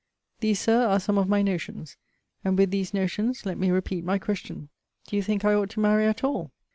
These, Sir, are some of my notions. And, with these notions, let me repeat my question, Do you think I ought to marry at all?